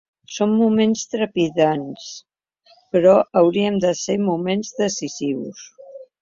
Són moments trepidants però haurien de ser moments decisius.